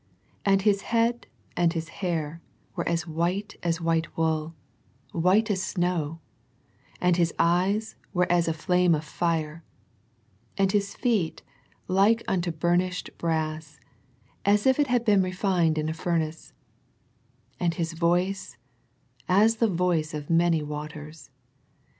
And His head and His hair were white as white wool, white as snow; and His eyes were as a flame of fire; and His feet like unto burnished brass, as if it had been refined in a fur nace; and His voice as the voice of many waters.